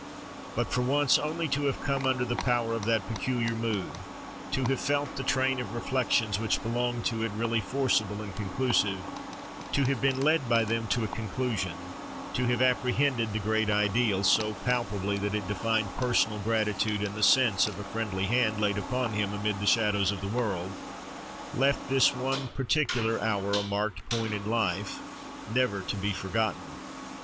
But for once only to have come under the power of that peculiar mood, to have felt the train of reflections which belong to it really forcible and conclusive, to have been led by them to a conclusion, to have apprehended the Great Ideal, so palpably that it defined personal gratitude and the sense of a friendly hand laid upon him amid the shadows of the world, left this one particular hour a marked point in life never to be forgotten.